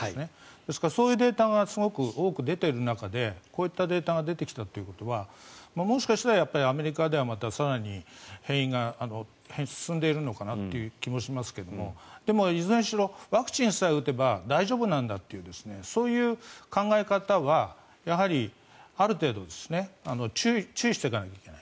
ですからそういうデータがすごく多く出ている中でこういうデータが出てきているということはもしかしたらアメリカではまた更に変異が進んでいるのかなという気もしますがでも、いずれにせよワクチンさえ打てば大丈夫なんだというそういう考え方はやはりある程度注意していかないといけない。